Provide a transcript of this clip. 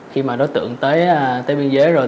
khi mà đối tượng tới biên giới rồi